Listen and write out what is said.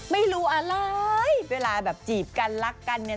ไม่รู้อะไรเวลาแบบจีบกันรักกันเนี่ย